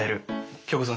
京子さん